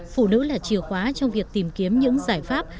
phụ nữ là chìa khóa trong việc tìm kiếm những giải pháp